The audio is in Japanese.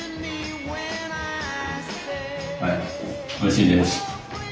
はいおいしいです！